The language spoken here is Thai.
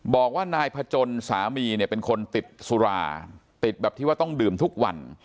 บอกว่านายพจนสามีเนี่ยเป็นคนติดสุราติดแบบที่ว่าต้องดื่มทุกวัน